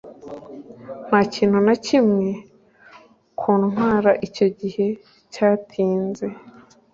nta kintu na kimwe 'kuntwara icyo gihe cyatinze.